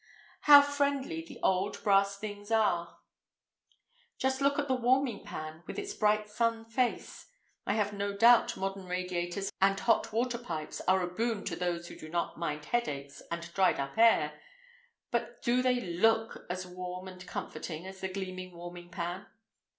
How friendly the old brass things are! Just look at the warming pan with its bright sun face. I have no doubt modern radiators and hot water pipes are a boon to those who do not mind headaches and dried up air—but do they look as warm and comforting as the gleaming warming pan?